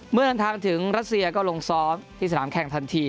เมื่อเดินทางถึงรัสเซียก็ลงซ้อมที่สนามแข่งทันที